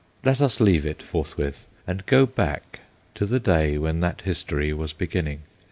Let us leave it forthwith and go back to the day when that history was beginning.